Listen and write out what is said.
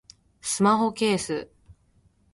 スマホケース